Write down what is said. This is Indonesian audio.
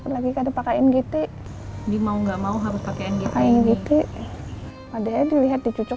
lagi kade pakaian gitu dia mau ga mau kamu pakaian pal ini padahal dilihat di cucuk